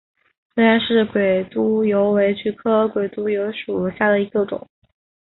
中原氏鬼督邮为菊科鬼督邮属下的一个种。